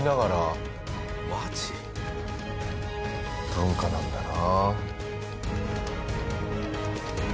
文化なんだな。